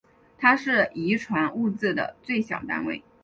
它是遗传物质的最小单位。